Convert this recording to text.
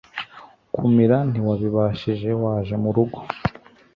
kumira ntiwabibashije , waje murugo